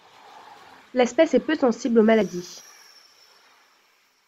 L'espèce est peu sensible aux maladies.